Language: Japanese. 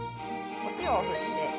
お塩を振って。